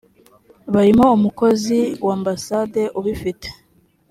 barimo umukozi w ambassade ubifite